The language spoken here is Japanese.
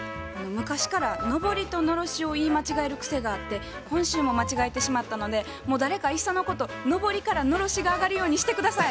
昔からのぼりとのろしを言い間違える癖があって今週も間違えてしまったのでもう誰かいっそのことのぼりからのろしが上がるようにして下さい。